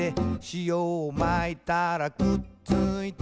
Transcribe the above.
「しおをまいたらくっついた」